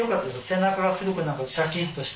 背中がすごく何かシャキッとして。